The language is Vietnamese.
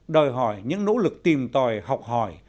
đòi hỏi những nỗ lực tìm tòi học hỏi